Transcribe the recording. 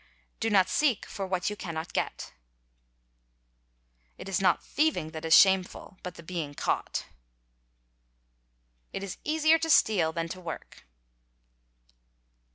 —Do not seek for what you cannot get.—It is not thieving that is shameful but the being caught.— It is easier to steal than to work.